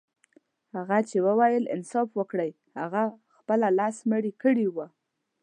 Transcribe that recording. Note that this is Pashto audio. هغه چي ويل يې انصاف وکړئ هغه خپله لس مړي کړي وه.